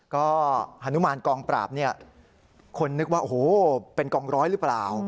ก็ฮานุมานกองปราบเนี่ยคนนึกว่าโอ้โหเป็นกองร้อยหรือเปล่า